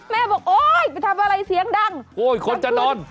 แม่บอกโอ๊ยไปทำอะไรเสียงดังโอ้ยคนจะนอน